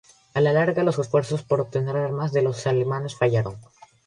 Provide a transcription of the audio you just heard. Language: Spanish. A la larga, los esfuerzos por obtener armas de los alemanes fallaron.